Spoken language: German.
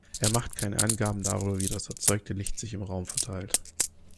Er macht keine Angaben darüber, wie das erzeugte Licht sich im Raum verteilt.